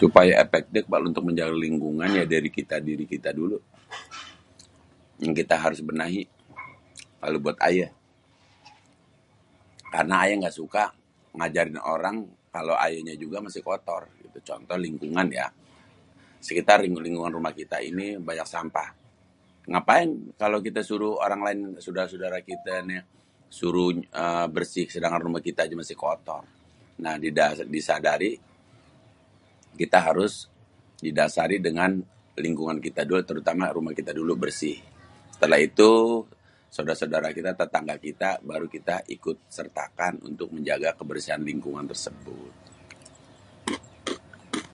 Supaya epektif untuk menjaga lingkungan ya dari diri kita dulu yang harus benahi kalo buat ayé karena ayé ngga suka ngajarin orang kalo ayé nya juga masih kotor, contoh lingkungan yak, sekitar lingkungan rumah kita ini banyak sampah ngapain kalo kita suruh orang laén sodara-sodara kita ni suruh bersih sedangkan rumah kita aja masih kotor. Nah, disadari kita harus didasari dengan lingkungan kita dulu terutama rumah kita dulu bersih. Setelah itu, sodara-sodara kita tetangga kita baru kita ikut sertakan untuk menjaga kebersihan lingkungan tersebut.